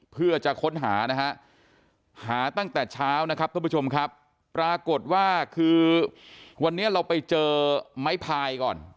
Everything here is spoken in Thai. เพื่อจะค้นหานะฮะหาตั้งแต่เช้านะครับท่านผู้ชมครับปรากฏว่าคือวันนี้เราไปเจอไม้พายก่อน